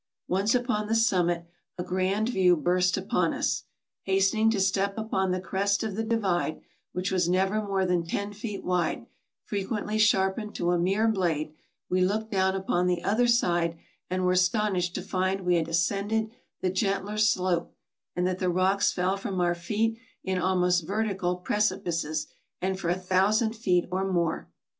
Once upon the summit, a grand view burst upon us. Hastening to step upon the crest of the divide, which was never more than ten feet wide, frequently sharpened to a mere blade, we looked down upon the other side, and were astonished to find we had ascended the gentler slope, and that the rocks fell from our feet in almost vertical precipices for a thousand feet or more.